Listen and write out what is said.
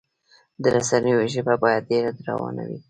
د رسنیو ژبه باید ډیره روانه وي.